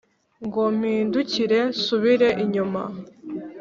Ngo mpindukire nsubire inyuma?